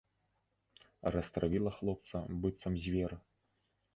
Растравіла хлопца, быццам звер.